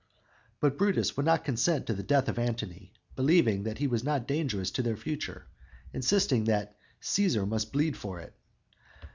But Brutus would not consent to the death of Antony, believing that he was not dangerous to their future, yet insisting that "Cæsar must bleed for it."